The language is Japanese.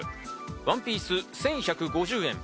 ワンピース１１５０円。